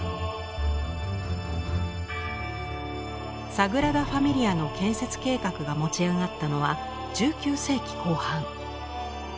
サグラダ・ファミリアの建設計画が持ち上がったのは１９世紀後半。